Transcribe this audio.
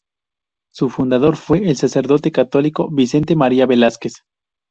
Su fundador fue el sacerdote católico Vicente María Velásquez.